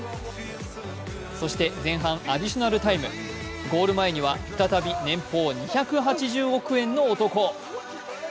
そして、前半アディショナルタイムゴール前には再び年俸２８０億円の男